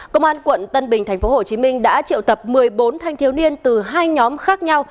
công an quận tân bình tp hcm đã triệu tập một mươi bốn thanh thiếu niên từ hai nhóm khác nhau